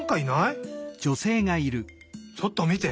ちょっとみて。